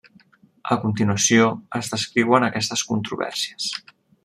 A continuació es descriuen aquestes controvèrsies.